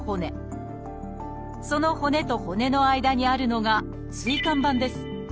その骨と骨の間にあるのが椎間板です。